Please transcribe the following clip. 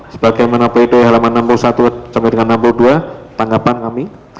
sebagaimana pd halaman enam puluh satu sampai dengan enam puluh dua tanggapan kami